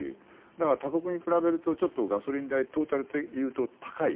だから、他国に比べるとちょっとガソリン代トータルで言うと高い。